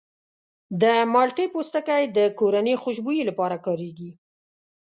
د مالټې پوستکی د کورني خوشبویي لپاره کارېږي.